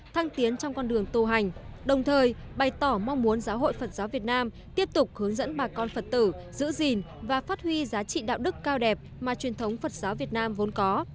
thăng tiến trong con đường tu hành đồng thời bày tỏ mong muốn giáo hội phật giáo việt nam tiếp tục hướng dẫn bà con phật tử giữ gìn và phát huy giá trị đạo đức cao đẹp mà truyền thống phật giáo việt nam vốn có